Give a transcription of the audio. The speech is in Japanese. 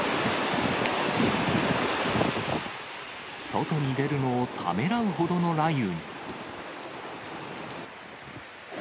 外に出るのをためらうほどの雷雨に。